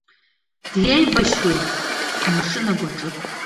Деибашьуеит амшын агәаҿы.